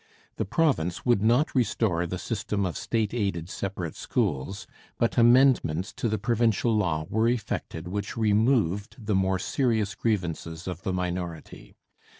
The province would not restore the system of state aided separate schools, but amendments to the provincial law were effected which removed the more serious grievances of the minority.